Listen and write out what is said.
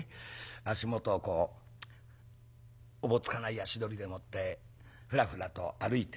足元をこうおぼつかない足取りでもってふらふらと歩いてくる。